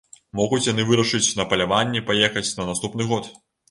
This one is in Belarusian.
Могуць яны вырашыць на паляванне паехаць на наступны год.